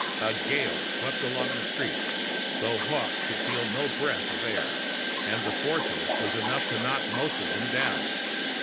A gale swept along the street, though Hawkes could feel no breath of air, and the force of it was enough to knock most of them down.